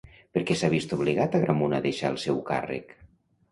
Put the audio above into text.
Per què s'ha vist obligat Agramunt a deixar el seu càrrec?